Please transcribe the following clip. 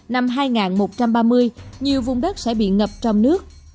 năm hai nghìn một trăm ba mươi nhiều vùng đất sẽ bị ngập trong nước